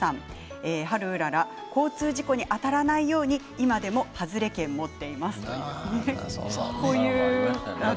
ハルウララ交通事故に当たらないように今でも外れ券、持っています。